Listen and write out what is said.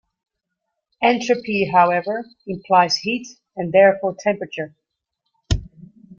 Entropy, however, implies heat and therefore temperature.